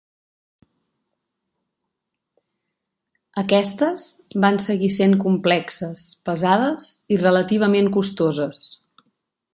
Aquestes van seguir sent complexes, pesades i relativament costoses.